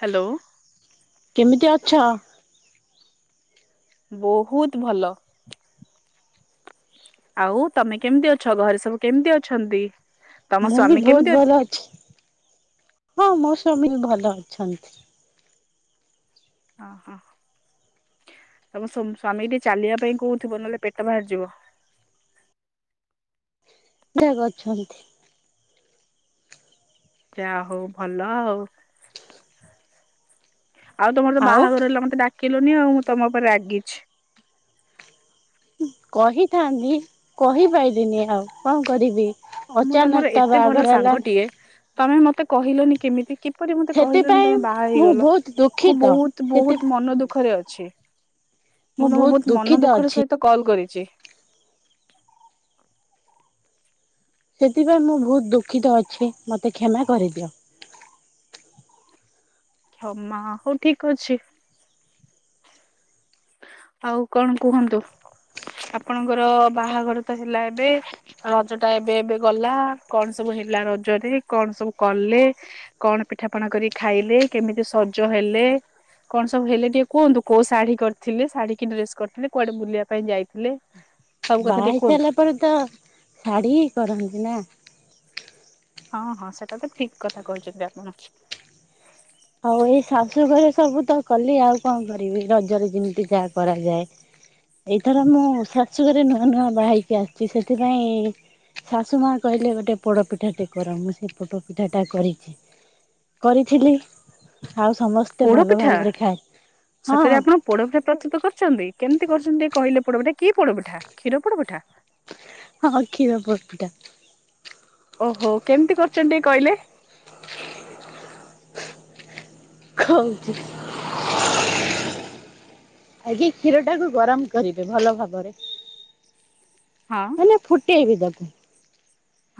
Hello. କେମିତି ଅଛ? ବହୁତ ଭଲ। ଆଉ ତମେ କେମିତି ଅଛ? ଘରେ ସବୁ କେମିତି ଅଛନ୍ତି? ତମ ମୁଁ ବି ସ୍ଵାମୀ କେମିତି ବହୁତ ଅଛ ଭଲ ଅଛି, ହଁ, ମୋ ସ୍ବାମୀ ବି ଭଲ ଅଛନ୍ତି। ଓହୋ ତମ ସ୍ବାମୀ ଟିକେ ଚାଲିବା ପାଇଁ କହୁଥିବ ନହେଲେ ପେଟ ବାହାରିଯିବ। [unintelligible] ଅଛନ୍ତି ଯାହା ହଉ ଭଲ ଆଉ। ଆଉ ତମର ତ ବାହାଘର ହେଲା ମତେ ଡାକିଲନି ଆଉ ମୁଁ ତମ ଉପରେ ରାଗିଛି। କହିଥାନ୍ତି, କହିପାରିଲିନି ଆଉ କଣ କରିବି? ମୁଁ ଅଚାନକ ତମର ତା ଏତେ ଭଲ ବାହାଘର ହେଲା ସାଙ୍ଗଟିଏ ତମେ ମତେ କହିଲନି କେମିତି? କିପରି ମତେ କହିଲନି ସେଥିପାଇଁ ତମେ ବାହା ମୁଁ ହେଇଗଲ ବହୁତ ମୁଁ ଦୁଃଖିତ। ବହୁତ ସେଥି ବହୁତ ମନ ଦୁଃଖରେ ଅଛି। ମୁଁ ତମକୁ ବହୁତ ମନ ଦୁଃଖର ସହିତ କଲ୍ କରିଛି। ସେଥିପାଇଁ ମୁଁ ବହୁତ ଦୁଃଖିତ ଅଛି ମତେ କ୍ଷମା କରିଦିଅ। କ୍ଷମା ହଉ ଠିକ ଅଛି। ଆଉ କଣ କୁହନ୍ତୁ, ଆପଣଙ୍କର ବାହାଘର ତ ହେଲା ଏବେ। ରଜ ଟା ଏବେ ଏବେ ଗଲା କଣ ସବୁ ହେଲା ରଜରେ କଣ ସବୁ କଲେ? କଣ ପିଠାପଣା କରି ଖାଇଲେ କେମିତି ସଜ ହେଲେ? କଣ ସବୁ ହେଲେ ଟିକେ କୁହନ୍ତୁ କୋଉ ଶାଢୀ କରି ଥିଲେ ଶାଢୀ କିି ଡ୍ରେସ କରିଥିଲେ କୁଆଡେ ବୁଲିବା ପାଇଁ ଯାଇଥିଲେ? ସବୁ କଥା ବାହା ହେଇ ଟିକେ କୁହନ୍ତୁ ସାରିଲା ପରେ ତ ଶାଢୀ କରନ୍ତି ନା। ହଁ ହଁ ସେଟା ତ ଠିକ କଥା କହିଛନ୍ତି ଆପଣ। ଆଉ ଏଇ ଶାଶୁ ଘରେ ସବୁ ତ କଲି ଆଉ କଣ କରିବି ରଜରେ ଯେମିତି ଯାହା କରାଯାଏ। ଏଇଥର ମୁଁ ଶାଶୁଘରେ ନୂଆ ନୂଆ ବାହାଇକି ଆସିୁଛି ସେଥିପାଇଁ- ଶାଶୁ ମା କହିଲେ ଗୋଟେ ପୋଡପିଠା ଟେ କର ମୁଁ ସେଇ ପୋଡ ପିଠା ଟା କରିଛି। କରିଥିଲି ଆଉ ସମସ୍ତେ ପୋଡ ଭଲ ଭାବରେ ଖାଏ ହଁ। ପୋଡ଼ପିଠା ପ୍ରସ୍ତୁତ କରିଚନ୍ତି କେମିତି କରିଛନ୍ତି ଟିକେ କହିଲେ ପୋଡ଼ପିଠା କି ପୋଡ଼ପିଠା କ୍ଷୀର ପୋଡ଼ପିଠା? ହଁ କ୍ଷୀର ପୋଡ଼ପିଠା। ଓହୋ କେମିତି କରିଚନ୍ତି ଟିକେ କଇଲେ? ଖଉଚି। ଆଗେ କ୍ଷୀର ଟାକୁ ଗରମ କରିବେ ଭଲ ଭାବରେ। ହଁ। ନା ନା ଫୁଟେଇବି ତାକୁ।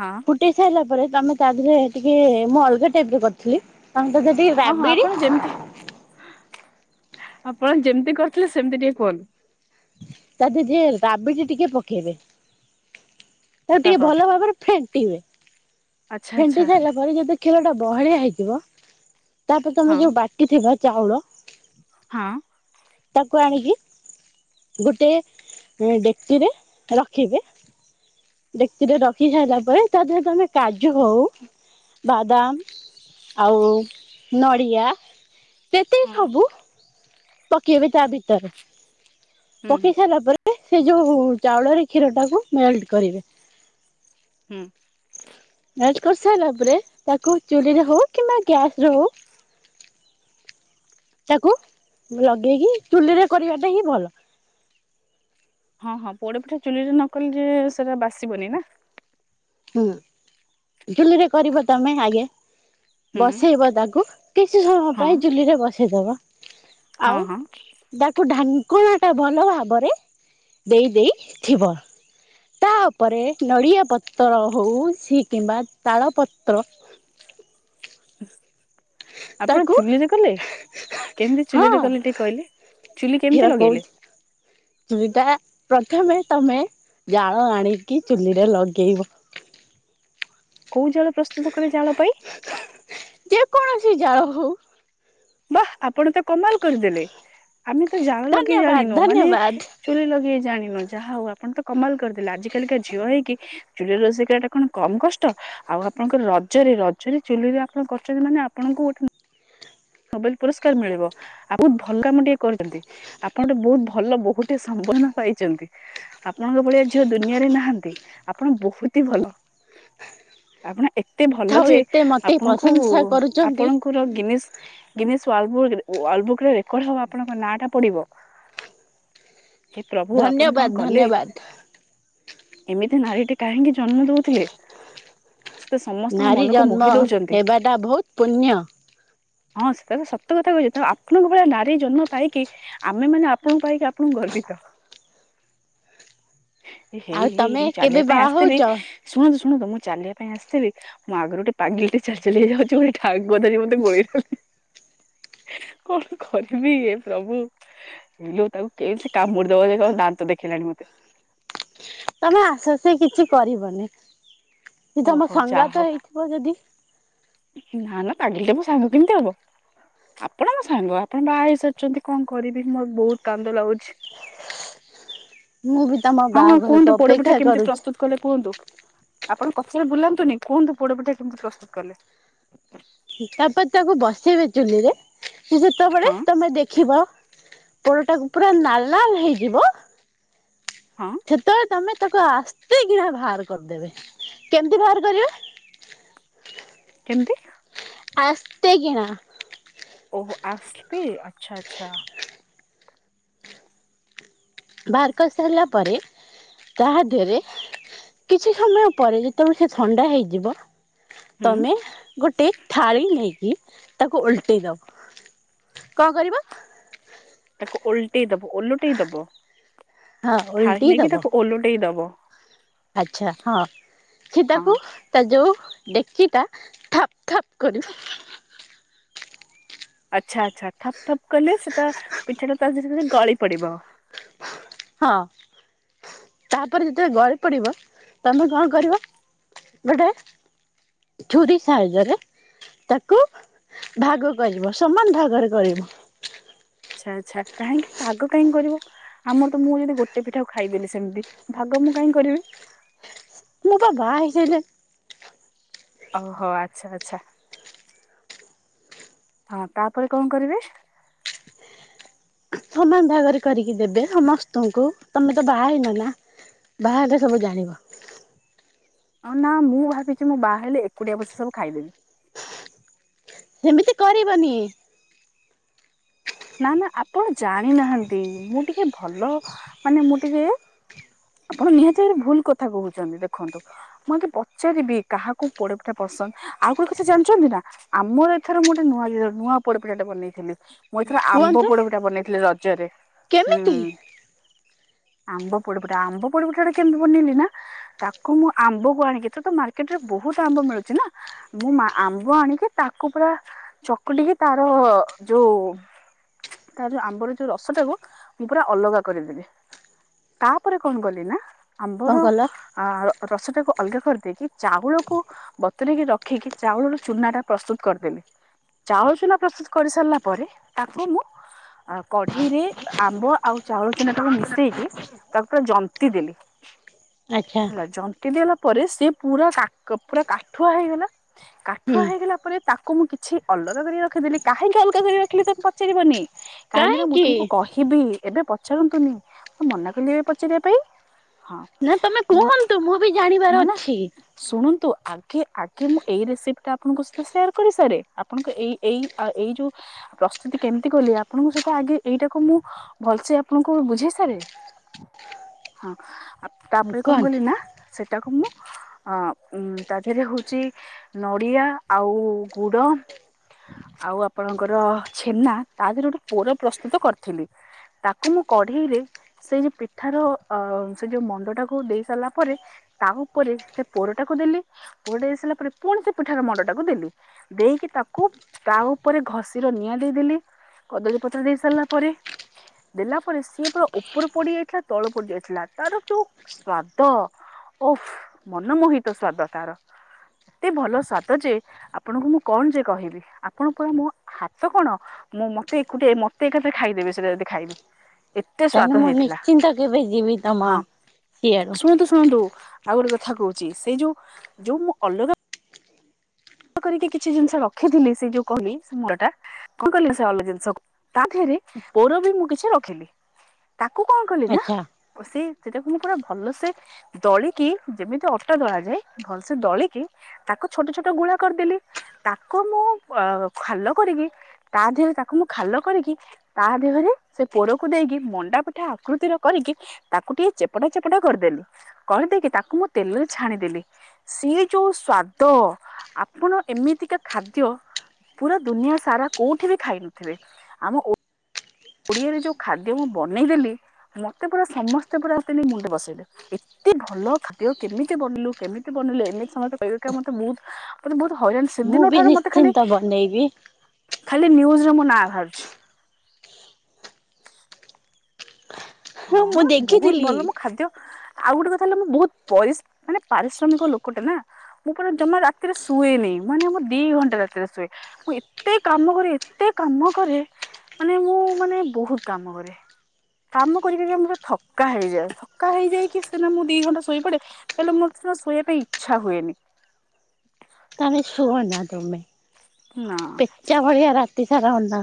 ହଁ। କୁଟେଇ ସାଇଲା ପରେ ତମେ ତା ଧୀରେ ଟିକେ ମୁଁ ଅଲଗା ଟାଇପ ରେ କରିଥିଲି ତମେ ତା ଦେହରେ ଟିକେ ହଁ ହଁ ରାବିଡି ଆପଣ ଯେମିତି ଆପଣ ଯେମିତି କରିଥିଲେ ସେମତି ଟିକେ କୁହନ୍ତୁ। ତା [unintelligible] ରାବିଡି ଟିକେ ପକେଇବେ। ତାକୁ ଟିକେ ଓହୋ। ଭଲ ଭାବରେ ଫେଣ୍ଟିବେ ଆଚ୍ଛା ଫେଣ୍ଟି ଆଚ୍ଛା ସାଇଲା ମରି ଯେବେ କ୍ଷୀର ଟା ବହଳିଆ ହେଇଯିବ ତାପରେ ହଁ ତମେ ଯୋଉ ବାଟି ଥିବ ଚାଉଳ ହଁ। ତାକୁ ଆଣିକି ଗୋଟେ ଡେକ୍ଚିରେ ରଖିବେ। ଡେକ୍ଚିରେ ରଖି ସାଇଲା ପରେ ତା ଦେହରେ ତମେ କାଜୁ ହଉ ବାଦାମ ଆଉ ନଡ଼ିଆ ହଁ ଯେତିକି ସବୁ ପକେଇବେ ତା ଭିତରେ ହୁଁ ହୁଁ ପକେଇ ସାଇଲା ପରେ ସେ ଯୋଉ ଚାଉଳରେ କ୍ଷୀର ଟାକୁ ମେଲ୍ଟ କରିବେ। ହୁଁ। ମେଲ୍ଟ କରି ସାଇଲା ପରେ ତାକୁ ଚୁଲି ରେ ହଉ କିମ୍ବା ଗ୍ୟାସ ରେ ହଉ ତାକୁ ଲଗେଇକି ଚୁଲିରେ କରିବାଟା ହିଁ ଭଲ। ହଁ ହଁ ପୋଡ ପିଠା ଚୁଲି ରେ ନ କଲେ ଯେ ସେରା ବାସିବନି ନା। ହୁଁ ଚୁଲିରେ କରିବ ତମେ ଆଗେ। ହୁଁ ବସେଇବ ତାକୁ କିଛି ସମୟ ହଁ ପାଇଁ ଚୁଲିରେ ବସେଇଦବ। ହଁ ଆଉ ହଁ। ତାକୁ ଢାଙ୍କୁଣା ଟା ଭଲ ଭାବରେ ଦେଇ ଦେଇଥିବ। ତା ଉପରେ ନଡ଼ିଆ ପତ୍ର ହଉ ସି କିମ୍ବା ତାଳ ପତ୍ର ଆପଣ ତାକୁ ଚୁଲିରେ କଲେ କେମିତି ହଁ ଚୁଲିରେ କଲେ ଟିକେ କଇଲେ? ଚୁଲି କେମିତି ଲଗେଇଲେ? ଚୁଲି ଟା ପ୍ରଥମେ ତମେ ଜାଳ ଆଣିକି ଚୁଲିରେ ଲଗେଇବ। କୋଉ ଜାଳ ପ୍ରସ୍ତୁତ କଲେ ଜାଳ ପାଇଁ? ଯେକୌଣସି ଜାଳ ହଉ। ବା ଆପଣ ତ କମାଲ କରିଦେଲେ ଆମେ ତ ଜାଳ ଲଗେଇ ଧନ୍ୟବାଦ ଜାଣିନୁ ମାନେ ଧନ୍ୟବାଦ ଚୁଲି ଲଗେଇ ଜାଣିନୁ ଯାହା ହଉ ଆପଣ ତ କମାଲ କରିଦେଲେ ଆଜି କାଲିକା ଝିଅ ହେଇକି ଚୁଲିରେ ରିଷେଇ କରିବାଟା କଣ କମ୍ କଷ୍ଟ? ଆଉ ଆପଣଙ୍କର ରଜରେ ରଜରେ ଚୁଲିରେ ଆପଣ କରୁଚନ୍ତି ମାନେ ଆପଣଙ୍କୁ ଗୋଟେ ନୋବେଲ ପୁରସ୍କାର ମିଳିବ ବୋହୁତ ଭଲ କାମ ଟିଏ କରିଚନ୍ତି। ଆପଣ ତ ବହୁତ ଭଲ ବହୁଟିଏ ସମ୍ବନ ପାଇଚନ୍ତି। ଆପଣଙ୍କ ଭଳିଆ ଝିଅ ଦୁନିଆରେ ନାହାନ୍ତି ଆପଣ ବହୁତି ହି ଭଲ। ଆପଣ ଏତେ ଭଲ ଥାଉ ଯେ ଏତେ ମତେ ଆପଣଙ୍କୁ ପ୍ରଶଂସା କରୁଛନ୍ତି ଆପଣଙ୍କର ଗିନିଶ୍ ଗିନିଶ୍ ୱାଲବୁକ୍‌ ୱାଲବୁକ୍‌ ରେ ରେକଡ ହବ ଆପଣଙ୍କ ନାଁଟା ପଡିବ। ହେ ପ୍ରଭୁ ଆପଣ ଧନ୍ୟବାଦ କଣ କଲେ? ଧନ୍ୟବାଦ ଏମିତି ନାରୀଟେ କାହିଁକି ଜନ୍ମ ଦଉଥୁଲେ ସେ ତ ସମସ୍ତଙ୍କ ମନକୁ ମୋହି ଦଉଚନ୍ତି। ଟା ବହୁତ୍ ପୁଣ୍ୟ। ହଁ ସେଟା ତ ସତ କଥା କହିଚି ତେଣୁ ଆପଣଙ୍କ ଭଳିଆ ନାରୀ ଜନ୍ମ ପାଇକି ଆମେ ମାନେ ଆପଣଙ୍କୁ ପାଇକି ଆପଣଙ୍କୁ ଗର୍ବିତ। ହେଇ ଆଉ ହେଇ ତମେ ମୁଁ ଚାଲିବା କେବେ ପାଇଁ ବାହା ଆସିଥିଲି ହଉଛ ଶୁଣନ୍ତୁ ଶୁଣନ୍ତୁ ମୁଁ ଚାଲିବା ପାଇଁ ଆସିଥିଲି ମୋ ଆଗରୁ ଗୋଟେ ପାଗିଳି ଟେ ଚାଲି ଚାଲିଯାଉଚି ଠାଗୁଆ ଧରି ମତେ ଗୋଡେଇଲା କଣ କରିବି ଏ ପ୍ରଭୁ ଇଲୋ ତାକୁ କେସି କାମୁଡି ଦବ ଜେ ଦାନ୍ତ ଦେଖେଇଲାଣି ମତେ। ତମେ ଆସଆସ କିଛି କରିବନି। କି ତମ ଓହୋ ଯାହା ହଉ ସଙ୍ଗାତ ହେଇଥିବ ଯଦି? ନା ନା ପାଗିଳିଟା ମୋ ସାଙ୍ଗ କେମତି ହବ? ଆପଣ ମୋ ସାଙ୍ଗ ଆପଣ ବାହା ହେଇସାରିଚନ୍ତି କଁ କରିବି ମୋର ବହୁତ କାନ୍ଦ ଲାଗୁଛି। ମୁଁ ବି ତମ ହଁ ହଁ କୁହନ୍ତୁ ବାହାଘରକୁ ପୋଡପିଠା ଅପେକ୍ଷା କେମିତି କରୁଛି। ପ୍ରସ୍ତୁତ କଲେ କୁହନ୍ତୁ ଆପଣ କଚରେ ବୁଲାନ୍ତୁନି କୁହନ୍ତୁ ପୋଡ ପିଠା କେମିତି ପ୍ରସ୍ତୁତ କଲେ? ତାପରେ ତାକୁ ବସେଇବ ଚୁଲିରେ। ସେ ଯେତେବେଳେ ହଁ ତମେ ଦେଖିବ ତଳଟାକୁ ପୁରା ନାଲ ନାଲ ହେଇଯିବ ହଁ। ଛେତେବେଳେ ତମେ ତାକୁ ଆସ୍ତେ କିନା ବାହାର କରିଦେବେ‌। କେମିତି ବାହାର କରିବେ? କେମତି? ଆସ୍ତେ କିନା ଓହ ଆସ୍ତେ ଆଛା ଆଛା। ବହାର କରି ସାରିଲା ପରେ ତାହା ଦେହରେ କିଛି ସମୟ ପରେ ଯେତେବେଳେ ସେ ଥଣ୍ଡା ହେଇଯିବ ହୁଁ ତମେ ଗୋଟେ ଥାଳି ନେଇକି ତାକୁ ଓଲଟେଇ ଦବ କଁ କରିବ? ତାକୁ ଓଲଟେଇ ଦବ ଓଲଟେଇ ଦବ ହଁ ଓଲଟି ଥାଳି ନେଇକି ତାକୁ ଓଲଟେଇ ଦବ। ଆଛା ହଁ ସି ହଁ। ତାକୁ ତା ଯେଉଁ ଡେକଚିଟା ଥପ୍ ଥପ୍ କରି ଆଛା ଆଛା ଠପ୍ ଠପ୍ କଲେ ସେତା ପିଠାଟା ତାଦେରେ ଗଳି ପଡିବ। ହଁ। ତାପରେ ଯେତେବେ ଗଳି ପଡିବ ତମେ କଁ କରିବ ଗୋଟେ ଛୁରି ସାହିଁଯରେ ତାକୁ ଭାଗ କରିବ ସମାନ ଭାଗରେ କରିବ ଛା ଛା କାହିଁକି ଭାଗ କାହିଁକି କରିବ? ଆମର ତ ମୁଁ ଯଦି ଗୋଟେ ପିଠାକୁ ଖାଇଦେଲି ସେମତି ଭାଗ ମୁଁ କାହିଁକି କରିବି? ମେ ପା ବାହାହେଇ ସାଇଲେ ଓହୋ ଆଛା ଆଛା। ହଁ ତାପରେ କଁ କରିବେ? ସମାନ ଭାଗରେ କରିକି ଦେବେ ସମସ୍ତଙ୍କୁ ତମେ ତ ବାହା ହେଇନ ନା ବାହାହେଲେ ସବୁ ଜାଣିବ। ଅନା ମୁଁ ଭାବିଛି ମୁଁ ବାହା ହେଲେ ଏକୁଟିଆ ବସି ସବୁ ଖାଇଦେବି। ସେମିତି କରିବନି ନା ନା ଆପଣ ଜାଣି ନାହାନ୍ତି ମୁଁ ଟିକେ ଭଲ ମାନେ ମୁଁ ଟିକେ ଆପଣ ନିହାତିରେ ଭୁଲ କଥା କହୁଛନ୍ତି ଦେଖନ୍ତୁ ମୁଁ ଆତେ ପଚାରିବି କାହାକୁ ପୋଡ ପିଠା ପସନ୍ ଆଉ ଗୋଳେ କଥା ଜାଣିସନ୍ତି ନା? ଆମର ଏଥର ମୁଁ ଗୋଟେ ନୂଆୟ ନୂଆ ପୋଡପିଠାଟେ ବନେଇଥିଲି ମୁଁ ଏଥର ଆମ୍ବ କୁହନ୍ତୁ ପୋଡଟା ବନେଇଥିଲି ରଜରେ ହୁଁ। କେମିତି ଆମ୍ବ ପୋଡ ଗୋଟେ ଆମ୍ବ ପୋଡପିଠା ଟା କେମତି ବନେନି ନା ତାକୁ ମୁଁ ଆମ୍ବ କୁ ଆଣିକି ତୋତ ମାର୍କେଟ ରେ ବହୁତ ଆମ୍ବ ମିଳୁଚି ନା ମୁଁ ମା ଆମ୍ବ ଆଣିକି ତାକୁ ପୁରା ଚକୁଟିକି ତାର ଯୋଉ ତା ଯୋଉ ଆମ୍ବର ଯୋଉ ରସଟାକୁ ମୁଁ ପୁରା ଅଲଗା କରିଦେବି ତାପରେ କଣ କଲି ନା କଣ ଆମ୍ବର କଲ ଆ ରସଟାକୁ ଅଲଗା କରିଦେଇକି ଚାଉଳକୁ ବତୁରେକି ରଖିକି ଚାଉଳର ଚୁନା ଟା ପ୍ରସ୍ତୁତ କରଦେଲି। ଚାଉଳ ଚୁନା ପ୍ରସ୍ତୁତ କରି ସାରିଲା ପରେ ତାକୁ ମୁଁ ଆ କଢେଇରେ ଆମ୍ବ ଆଉ ଚାଉଳ ଚୁନା ଟାକୁ ମିଶେଇକି ତାକୁ ପୁରା ଜନ୍ତି ଦେଲି ଆଚ୍ଛା ହେଲା ଜ ଦେଲା ପରେ ସେ ପୁରା ପୁରା କାଠୁଆ ହେଇଗଲା କାଠୁଆ ହୁଁ ହେଇଗଲା ପରେ ତାକୁ ମୁଁ କିଛି ଅଲଗା କରି ରଖିଦେଲି କାହିଁକି ଅଲଗା କରି ରଖିଲି ତମେ ପଚାରିବନି। କାହିଁକି ନା ମୁଁ ତମକୁ କହିବି ଏବେ ପଚାରନ୍ତୁନି ମୁଁ ମନା କଲି ଏବେ ପଚାରିବା ପାଇଁ। ହଁ ନା ତମେ ମୁଁ କୁହନ୍ତୁ ମୁଁ ବି ନା ଜାଣିବାର ନା ଅଛି। ଶୁଣନ୍ତୁ ଆଗେ ଆଗେ ମୁଁ ଏଇ ରେସିପି ଟା ଆପଣଙ୍କ ସହିତ ସେୟାର କରି ସାରେ ଆପଣଙ୍କ ଏଇ ଏଇ ଆଉ ଏଇ ଯୋଉ ପ୍ରସ୍ତୁତି କେମିତି କଲି ଆପଣଙ୍କୁ ସେଇଟା ଆଗେ ଏଇଟାକୁ ମୁଁ ଭଲସେ ଆପଣଙ୍କୁ ବୁଝେଇ ସାରେ। ହଁ ଆ ହଁ ତାପରେ କଣ କୁହନ୍ତୁ। କଲି ନା ସେଇଟାକୁ ମୁଁ ଅ ଉ ତା ଦେହରେ ହଉଛି ନଡିଆ ଆଉ ଗୁଡ। ଆଉ ଆପଣଙ୍କର ଛେନା ତା ଦେହରେ ଗୋଟେ ପୁର ପ୍ରସ୍ତୁତ କରିଥିଲି। ତାକୁ ମୁଁ କଢେଇରେ ସେ ଯୋଉ ପି ପିଠାର ଅ ସେ ଯୋଉ ମଣ୍ଡ ଟାକୁ ଦେଇ ସାରିଲା ପରେ ତା ଉପରେ ସେ ପୁରଟାକୁ ଦେଲି। ପୁଅଟେ ହେଇସାରିଲା ପରେ ପୁଣି ସେ ପିଠାର ମଣ୍ଡ ଟାକୁ ଦେଲୁ। ଦେଇକି ତାକୁ ତା ଉପରେ ଘଷି ର ନିଆଁ ଦେଇଦେଲି। କଦଳୀ ପତ୍ର ଦେଇ ସାରିଲା ପରେ ଦେଲା ପରେ ସିଏ ପୁରା ଉପର ପୋଡି ପିଠା ତଳୁ ପଡିଯାଇଥିଲା ତାର ଯୋଉ ସ୍ଵାଦ ଓଫ୍। ମନମୋହିତ ସ୍ଵାଦ ତାର। ଏତେ ଭଲ ସ୍ଵାଦ ଯେ ଆପଣଙ୍କୁ ମୁଁ କଣ ଯେ କହିବି ଆପଣ ପା ମୋ ହାତ କଣ ମୁଁ ମତେଏକୁଟିଆ ମତେ ଏକାଥରେ ଖାଇଦେବେ ସେଟା ଯଦି ଖାଇବି। ତାହାଲେ ମୁଁ ନିଶ୍ଚିନ୍ତ କେବେ ଯିବି ତମ ହଁ ସିଆଡୁ। ଶୁଣନ୍ତୁ ଆଉ ଗୋଟେ କଥା କହୁଛି ସେଇ ଯୋଉ ଯୋଉ ମୁଁ ଅଲଗା କରିକି କିଛି ଜିନିଷ ରଖିଥିଲି ସେ ଯୋଉ କହିଲି ସେ ମୂଳ ଟା। କଣ କହିଲି ସେ ଭଲ ଜିନିଷ ତା ଦେହରେ ପୁର ବି ମୁଁ କିଛି ରଖିଲି। ତାକୁ କଣ କଲି ନା ଆଚ୍ଛା ସେ ସେଟାକୁ ମୁଁ ପୁରା ଭଲ ସେ ଦଳିକି ଯେମିତି ଅଟା ଦଳାଯାଏ ଭଲସେ ଦଳିକି ତାକୁ ଛୋଟ ଛୋଟ ଗୁଳା କରିଦେଲି ତାକୁ ମୁଁ ଖାଲ କରିକି ତା ଦେହରେ ତାକୁ ମୁଁ ଖାଲ କରିକି ତା ଦେହରେ ସେ ପୋରକୁ ଦେଇକି ମଣ୍ଡା ପିଠା ଆକୃତିର କରିକି ତାକୁ ଟିକେ ଚେପଟା ଚେପଟା କରିଦେଲି କରିଦେଇକି ତାକୁ ମୁଁ ତେଲରେ ଛାଣିଦେଲି। ସିଏ ଯୋଉ ସ୍ଵାଦ। ଆପଣ ଏମିତିକା ଖାଦ୍ୟ ପୁରା ଦୁନିଆ ସାରା କୋଉଠି ବି ଖାଇ ନଥିବେ ଆମ ଓ ଓଡିଆରେ ଯୋଉ ଖାଦ୍ୟ ମୁଁ ବନେଇଦେଲି ମତେ ପୁରା ସମସ୍ତେ ପୁରା ଆ ମୁଣ୍ଡ ବସେଇଦେଲେ। ଏତେ ଭଲ ଖାଦ୍ୟ କେମିତି ବନେଇଲୁ କେମିତି ବନେଇଲୁ ଏମିତି ସମସ୍ତେ କହିବେ କାରଣ ମତେ ବହୁତ ମତେ ବହୁତ ହଇରାଣ ମୁଁ ସେଦିନ ବି ଠାରୁ ମତେ ଖାଲି ନିଶ୍ଚିନ୍ତ ବନେଇବି ଖାଲି ନିୟୁଜ୍ ରେ ମୋ ନାଁ ବାହାରୁଛି। ହଁ ମୁଁ ହଁମ ବହୁତ ଦେଖିଥିଲି। ଭଲ ମୋ ଖାଦ୍ୟ ଆଉ ଗୋଟେ କଥା ହେଲା ମୁଁ ବହୁତ ପରିସ୍ ମାନେ ପାରିଶ୍ରମିକ ଲୋକଟେ ନା। ମୁଁ ପୁରା ଜମା ରାତିରେ ଶୁଏନି ମାନେ ମମ ଦି ଘଣ୍ଟା ରାତିରେ ଶୁଏ। ମୁଁ ଏତେ କାମ କରେ ଏତେ କାମ କରେ ମାନେ ମୁଁ ମାନେ ବହୁତ କାମ କରେ। କାମ କରିକରି ମୋର ଥକା ହେଇଯାଏ ଥକା ହେଇଯାଇକି ସିନା ମୁଁ ଦି ଘଣ୍ଟା ଶୋଇପଡେ। ହେଲେ ମୋର ସିନା ଶୋଇବା ପାଇଁ ଇଚ୍ଛା ହୁଏନି। ତମେ ଶୁଅନା ତୁମେ ନା ପେଚା ଭଳିଆ ରାତି ସାରା ଅନା।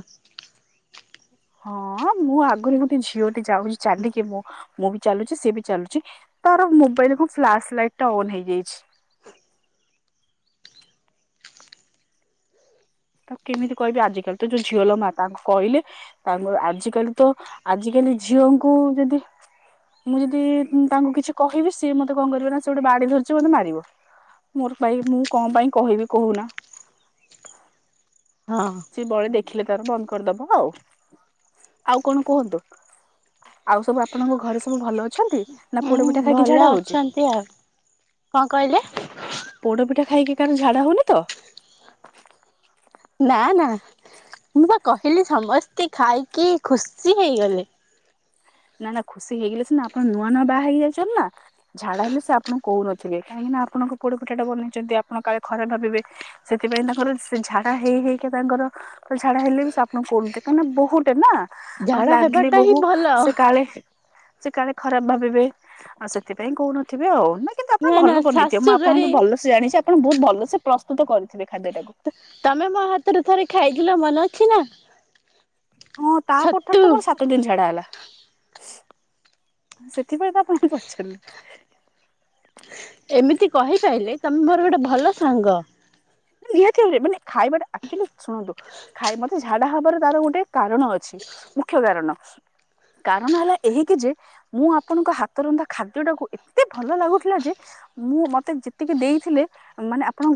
ହଁ ମୁଁ ଆଗରୁ ଗୋଟେ ଝିଅଟି ଯାଉଛି ଚାଲିକି ମୁଁ ମୁଁ ବି ଚାଲୁଛି ସିଏ ବି ଚାଲୁଛି। ତାର ମୋବାଇଲ କଣ ଫ୍ଲାସ ଲାଇଟ୍ ଟା ଅନ୍ ହେଇଯାଇଛି। ତାକୁ କେମିତି କହିବି ଆଜିକାଲି ତ ଯୋଉ ଝିଅଲୋ ମା ତାଙ୍କୁ କହିଲେ ତାଙ୍କର ଆଜି କାଲି ତ ଆଜିକାଲି ଝିଅଙ୍କୁ ଯଦି ମୁଁ ଯଦି ତାଙ୍କୁ କିଛି କହିବି ସିଏ ମତେ କଣ କରିବ ନା ସେ ଗୋଟେ ବାଡି ଧରିଛି ମତେ ମାରିବ। ମୋର ପାଇଁ ମୁଁ କଣ ପାଇଁ କହିବି କହୁନ। ହଁ। ବଳେ ଦେଖିଲେ ତାର ବନ୍ଦ କରିଦବ ଆଉ। ଆଉ କଣ କୁହନ୍ତୁ ଆଉ ସବୁ ଆପଣଙ୍କ ଘରେ ସବୁ ଭଲ ଅଛନ୍ତି ନା ହୁଁ ପୋଡପିଠା ଖାଇକି ଝାଡା ଭଲ ହଉଛି? ଅଛନ୍ତି ଆଉ କଣ କହିଲେ? ପୋଡ ପିଠା ଖାଇକି କାହାର ଝାଡ଼ା ହଉନି ତ। ନା ନା ମୁଁ ବା କହିଲି ସମସ୍ତେ ଖାଇକି ଖୁସି ହେଇଗଲେ। ନା ନା ଖୁସି ହେଇଗଲେ ସିନା ଆପଣ ନୂଆ ନୂଆ ବାହା ହେଇଯାଇଛନ୍ତି ନା ଝାଡା ହେଲେ ସେ ଆପଣ କହୁନଥିବେ କାହିଁକି ନା ଆପଣଙ୍କ ପୋଡେ ପଠା ଟା ବନେଇଛନ୍ତି ଆପଣ କାଳେ ଖରାପ୍ ଭାବିବେ ସେଥିପାଇଁ ତାଙ୍କର ଝାଡା ହେଇ ହେଇକା ତାଙ୍କର ଝାଡ଼ା ହେଲେ ବି ସେ ଆପଣଙ୍କୁ କାରଣ କାହିଁକିନା ବହୁଟେ ନା ଆମେ ଝାଡା ଲାଡଲି ହେବାଟା ହିଁ ବୋହୁ। ଭଲ କାଳେ ସେ କାଳେ ଖରାପ ଭାବିବେ ଆଉ ସେଥିପାଇଁ କହୁନଥିବେ ଆଉ ନା। କିନ୍ତୁ ଆପଣ ନା ଭଲ ବନେଇଥିବେ ମୁଁ ଶାଶୁ ଘରେ ଆପଣଙ୍କୁ ଭଲସେ ଜାଣିଛି ଆପଣ ବହୁତ ଭଲସେ ପ୍ରସ୍ତୁତ କରିଥିବେ ଖାଦ୍ୟ ଟାକୁ। ତମେ ମୋ ହାତରେ ଥରେ ଖାଇଥିଲ ମନେ ଅଛି ନା। ହଁ ତାପର ଠାରୁ ତ ଛତୁ। ମୋର ସାତ ଦିନ ଛାଡା ହେଲା। ସେଥିପାଇ ତ ଆପଣଙ୍କୁ କରିଛନ୍ତି। ଏମିତି କହିପାରିଲେ ତମେ ମୋର ଗୋଟେ ଭଲ ସାଙ୍ଗ। ନିହାତି ଭାବରେ ମାନେ ଖାଇବାଟା ଆକଚୁଆଲି ଶୁଣନ୍ତୁ ଖାଇ ମତେ ଝାଡା ହବାର ତାର ଗୋଟେ କାରଣ ଅଛି। ମୁଖ୍ୟ କାରଣ କାରଣ ହେଲା ଏହିକି ଯେ ମୁଁ ଆପଣଙ୍କ ହାତ ରନ୍ଧା ଖାଦ୍ୟ ଟାକୁ ଏତେ ଭଲ ଲାଗୁଥିଲା ଯେ ମୁଁ ମତେ ଯେତିକି ଦେଇଥିଲେ ମାନେ ଆପଣଙ୍କ